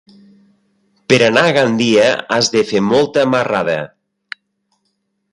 Per anar a Gandia has de fer molta marrada.